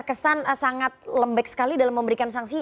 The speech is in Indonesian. kenapa pssi terkesan sangat lembek sekali dalam memberikan sanksi